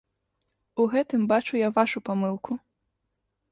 У гэтым бачу я вашу памылку!